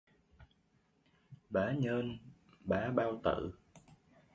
Bá nhơn bá bao tử